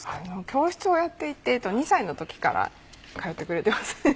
教室をやっていて２歳の時から通ってくれてますね。